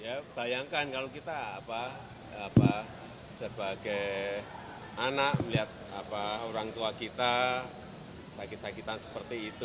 ya bayangkan kalau kita sebagai anak melihat orang tua kita sakit sakitan seperti itu